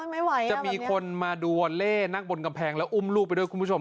ไม่ไหวจะมีคนมาดูวอเล่นักบนกำแพงแล้วอุ้มลูกไปด้วยคุณผู้ชม